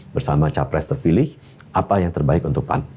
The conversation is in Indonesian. bersama capres terpilih apa yang terbaik untuk pan